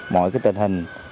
mọi tình hình